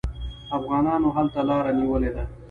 افغانانو هلته لاره نیولې ده.